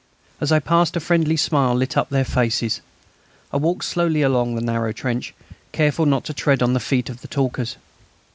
As I passed a friendly smile lit up their faces. I walked slowly along the narrow trench, careful not to tread on the feet of the talkers.